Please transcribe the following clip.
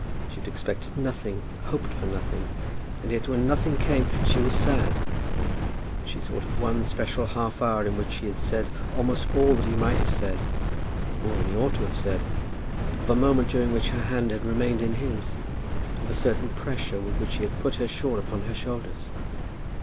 She had expected nothing, hoped for nothing, and yet when nothing came she was sad. She thought of one special half hour in which he had said almost all that he might have said, more than he ought to have said; of a moment during which her hand had remained in his; of a certain pressure with which he had put her shawl upon her shoulders.